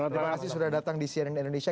terima kasih sudah datang di cnn indonesia